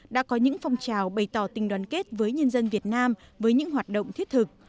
đã có những phong trào bày tỏ tình đoàn kết với nhân dân việt nam với những hoạt động thiết thực